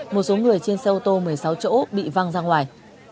một số người trên xe ô tô một mươi sáu chỗ bị văng ra ngoài